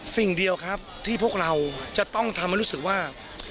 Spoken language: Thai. สิ่งเดียวครับที่พวกเราจะต้องทำให้รู้สึกว่า